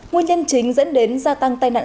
nguyên nhân chính dẫn đến gia tăng tai nạn